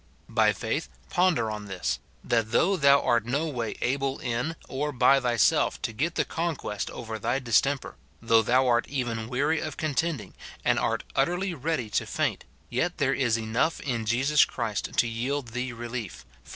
By faith ponder on this, that though thou art no way able in or by thyself to get the conquest over thy distemper, though thou art even weary of contending, and art utter ly ready to faint, yet that there is enough in Jesus Christ to yield thee relief, Phil.